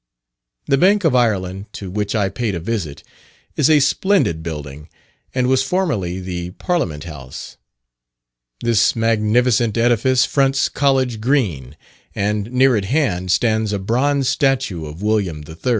The Bank of Ireland, to which I paid a visit, is a splendid building, and was formerly the Parliament House. This magnificent edifice fronts College Green, and near at hand stands a bronze statue of William III.